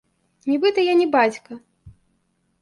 Нібыта я не бацька.